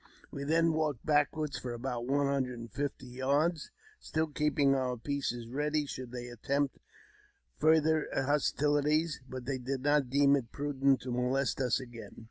We then walked backward for about one hundred and fifty yards, still keeping our pieces ready should they attempt further hostilities ; but they did not deem it prudent to molest us again.